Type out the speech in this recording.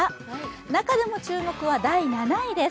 中でも注目は第７位です。